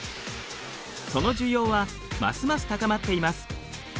その需要はますます高まっています。